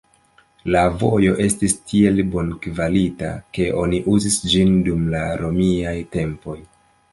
La vojo estis tiel bonkvalita, ke oni uzis ĝin dum la romiaj tempoj.